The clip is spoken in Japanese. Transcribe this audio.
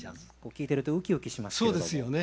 聴いてるとウキウキしますけども。